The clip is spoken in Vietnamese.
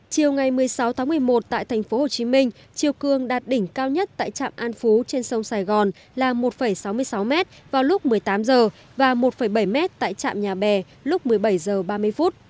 chiều ngày một mươi sáu tháng một mươi một tại thành phố hồ chí minh chiều cường đạt đỉnh cao nhất tại trạm an phú trên sông sài gòn là một sáu mươi sáu m vào lúc một mươi tám h và một bảy m tại trạm nhà bè lúc một mươi bảy h ba mươi